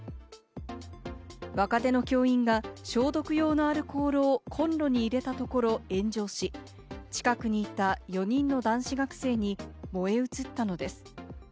若手の教員が消毒用のアルコールをコンロに入れたところ炎上し、近くにいた４人の男子学生に燃え移ったのです。